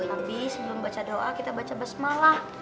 tapi sebelum baca doa kita baca basmala